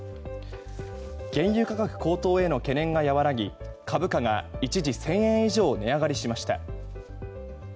原油価格高騰への懸念が和らぎ株価が一時１０００円以上値上がりしました。